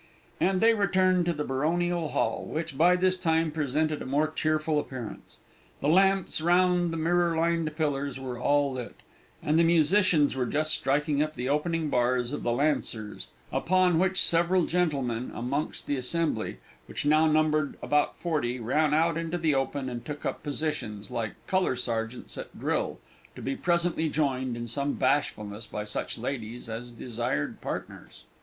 And they returned to the Baronial Hall, which by this time presented a more cheerful appearance. The lamps round the mirror lined pillars were all lit, and the musicians were just striking up the opening bars of the Lancers; upon which several gentlemen amongst the assembly, which now numbered about forty, ran out into the open and took up positions, like colour sergeants at drill, to be presently joined, in some bashfulness, by such ladies as desired partners.